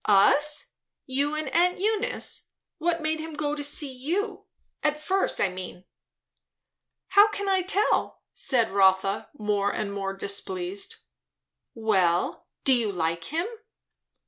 "Us? You and aunt Eunice? What made him go to see you? at first, I mean." "How can I tell?" said Rotha, more and more displeased. "Well, do you like him?"